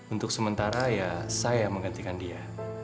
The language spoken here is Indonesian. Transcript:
untuk sementara ya saya yang menggantikan dia